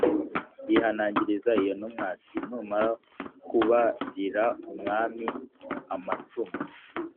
yihanangiriza iyo ntumwa ati “Numara kubarira umwami amacumu